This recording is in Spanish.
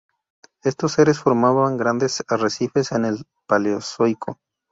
Estos seres formaban grandes arrecifes en el Paleozoico.